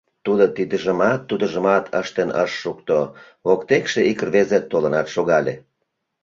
Тудо тидыжымат, тудыжымат ыштен ыш шукто — воктекше ик рвезе толынат шогале.